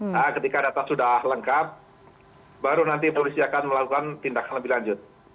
nah ketika data sudah lengkap baru nanti polisi akan melakukan tindakan lebih lanjut